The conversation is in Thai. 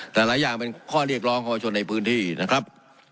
แต่หลายอย่างเป็นข้อเรียกร้องของประชาชนในพื้นที่นะครับ